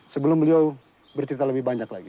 sebelum beliau bercerita lebih banyak lagi